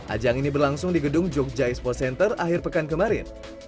ajang ini berlangsung di gedung jogja expo center akhir pekan kemarin